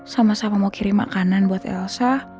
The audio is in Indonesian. sama sama mau kirim makanan buat elsa